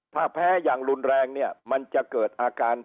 ถ้าแพ้อย่างรุนแรงเนี่ยมันจะเกิดอาการ